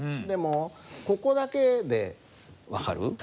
でもここだけで分かる？